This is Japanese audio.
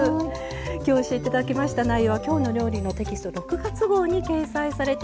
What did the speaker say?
今日教えていただきました内容は「きょうの料理」のテキスト６月号に掲載されています。